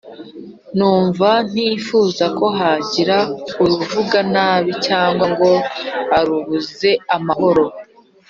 numva ntifuza ko hagira uruvuga nabi cyangwa ngo arubuze amahoro.